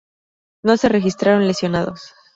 No se registraron lesionados.